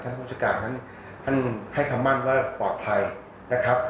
ผู้จัดการท่านให้คำมั่นว่าปลอดภัยนะครับ